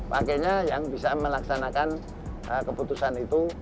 wakilnya yang bisa melaksanakan keputusan itu